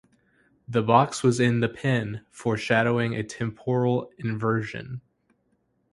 The box was in the pen, foreshadowing a temporal inversion.